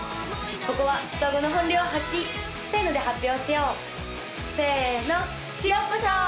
ここは双子の本領発揮せーので発表しようせーの塩コショウ！